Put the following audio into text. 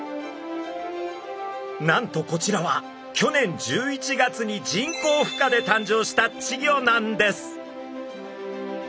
なんとこちらは去年１１月に人工ふ化で誕生した稚魚なんです。